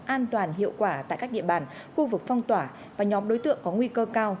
an toàn hiệu quả tại các địa bàn khu vực phong tỏa và nhóm đối tượng có nguy cơ cao